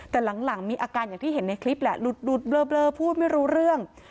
แต่หลังมีอาการอย่างที่เห็นในคลิปแหละหลุดเบลอพูดไม่รู้เรื่อง